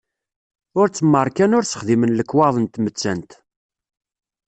Ur tt-mmarkan ur s-xdimen lekwaɣeḍ n tmettant.